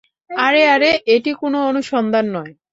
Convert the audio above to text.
আরে, আরে, এটি কোনো অনুসন্ধান নয়।